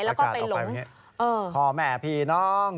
ประกาศออกไปไงพ่อแหมพี่น้อง